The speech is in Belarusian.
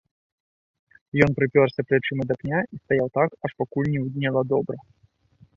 Ён прыпёрся плячыма да пня і стаяў так, аж пакуль не ўднела добра.